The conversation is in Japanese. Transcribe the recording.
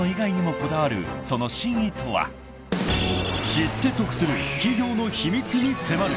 ［知って得する企業の秘密に迫る］